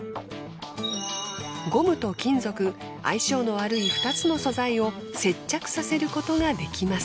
ゴムと金属相性の悪い２つの素材を接着させることができます。